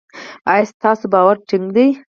ایا ستاسو باور ټینګ دی؟